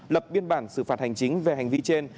lập biên bản xử phạt hành chính về hành vi trên